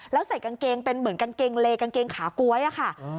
แล้วใส่กางเกงเป็นเหมือนกางเกงเลกางเกงขาก๊วยอะค่ะ